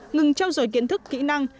ngừng trao dồi kiến thức kỹ năng